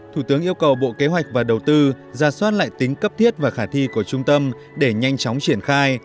thủ tướng yêu cầu bộ kế hoạch và đầu tư ra soát lại tính cấp thiết và khả thi của trung tâm để nhanh chóng triển khai